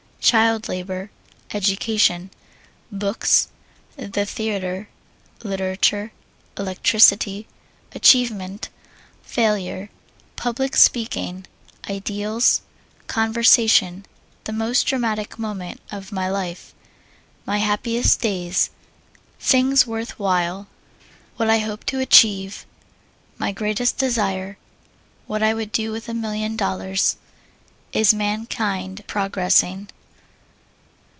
Child Labor. Education. Books. The Theater. Literature. Electricity. Achievement. Failure. Public Speaking. Ideals. Conversation. The Most Dramatic Moment of My Life. My Happiest Days. Things Worth While. What I Hope to Achieve. My Greatest Desire. What I Would Do with a Million Dollars. Is Mankind Progressing?